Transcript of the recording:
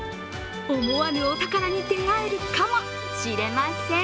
思わぬお宝に出会えるかもしれません。